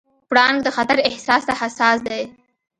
پړانګ د خطر احساس ته حساس دی.